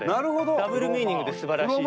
ダブルミーニングですばらしいという。